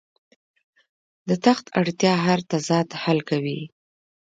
د تخت اړتیا هر تضاد حل کوي.